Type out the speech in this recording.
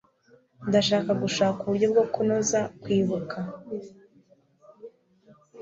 Ndashaka gushaka uburyo bwo kunoza kwibuka.